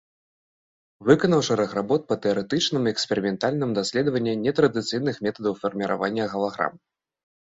Выканаў шэраг работ па тэарэтычным і эксперыментальным даследаванні нетрадыцыйных метадаў фарміравання галаграм.